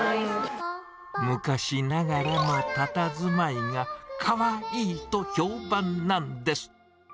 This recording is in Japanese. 昔ながらのたたずまいが、かわいいと評判なんです。